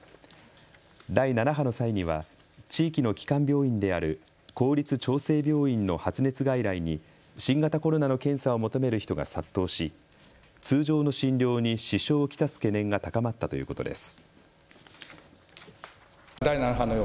第７波の際には地域の基幹病院である公立長生病院の発熱外来に新型コロナの検査を求める人が殺到し通常の診療に支障を来す懸念が高まったということです。